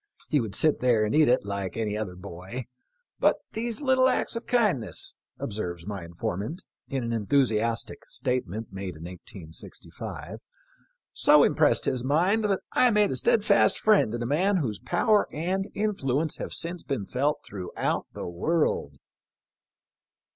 He would sit there and eat it like any other boy ; but these little acts of kindness," observes my inform ant, in an enthusiastic statement made in 1865, "so impressed his mind that I made a steadfast friend in a man whose power and influence have since been felt throughout the world."